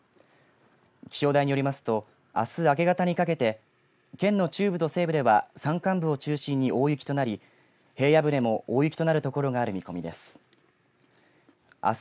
気象台によりますとあす明け方にかけて県の中部と西部では山間部を中心に大雪となり平野部でも大雪となる所がある見込みです。